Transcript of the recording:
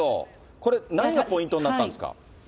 これ、何がポイントになったんですか？